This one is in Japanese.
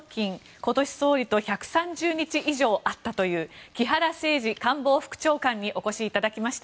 今年、総理と１３０日以上会ったという木原誠二官房副長官にお越しいただきました。